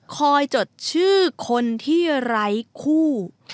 จดชื่อคนที่ไร้คู่